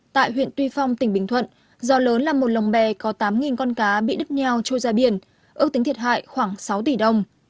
tại huyện tuy phong tỉnh bình thuận do lớn làm một lồng bè có tám con cá bị đứt nheo trôi ra biển ước tính thiệt hại khoảng sáu tỷ đồng